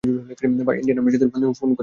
বা Indian army যাদের আমি ফোন করেছি।